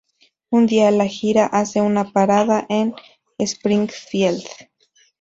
Un día, la gira hace una parada en Springfield.